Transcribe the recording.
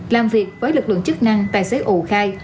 làm việc với lực lượng chức năng tài xế ủ khai